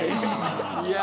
いや。